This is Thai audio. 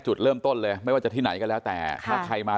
จุดเริ่มต้นเลยไม่ว่าจะที่ไหนก็แล้วแต่ถ้าใครมา